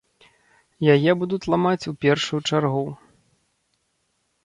Яе будуць ламаць у першую чаргу.